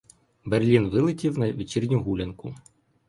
Берлін вилетів на вечірню гулянку.